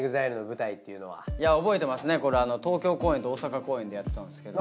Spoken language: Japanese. これ東京公演と大阪公演でやってたんですけど。